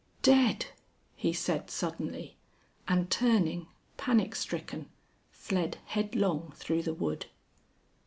"Dead!" he said suddenly, and turning, panic stricken, fled headlong through the wood.